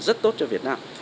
rất tốt cho việt nam